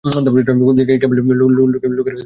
কেবলই লোকের কাছ থেকে সে পালিয়ে বেড়ায়।